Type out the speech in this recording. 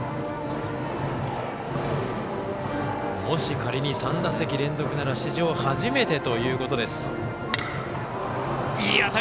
もし仮に３打席連続なら史上初めてということです。